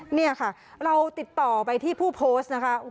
นี่ค่ะเราติดต่อไปที่ผู้โพสต์นะคะ